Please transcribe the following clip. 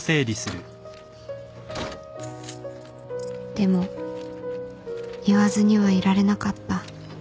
でも言わずにはいられなかった